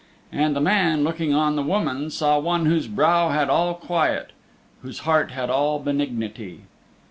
And the man looking on the woman saw one whose brow had all quiet, whose heart had all benignity.